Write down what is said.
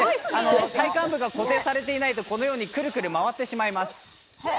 体幹が固定されていないと、このようにクルクル回ってしまいます。